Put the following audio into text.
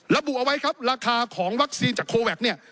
ระบุเอาไว้ครับราคาของวัคซีนจากโคแวคเนี่ย